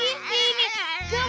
iiih kamu kok di sini